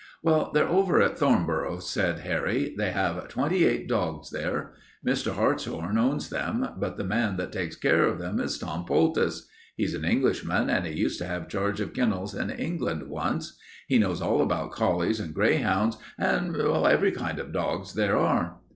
"Well, they're over at Thornboro," said Harry. "They have twenty eight dogs there. Mr. Hartshorn owns them, but the man that takes care of them is Tom Poultice. He's an Englishman, and he used to have charge of kennels in England once. He knows all about collies and greyhounds and and every kind of dogs there are."